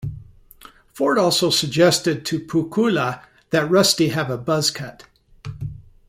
Ford also suggested to Pakula that Rusty have a buzz cut.